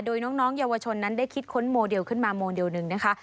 โดยน้องเยาวชนนั้นได้คิดค้นโมเดลขึ้นมาโมเดลหนึ่งนะคะ